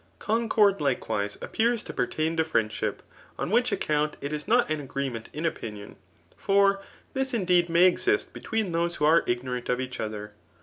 Concord likewise appears to pertain to Iriendsbip ; on which account, it is not an agretiMm in opi«i<m ; for this indeed may exist between those who are ignorant of each other.